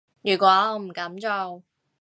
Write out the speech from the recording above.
如果我唔噉做